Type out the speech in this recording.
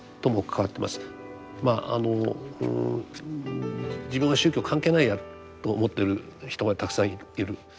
まあ自分は宗教関係ないやと思ってる人がたくさんいる。